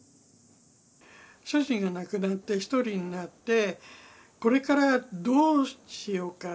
主人が亡くなって一人になって、これからどうしようか。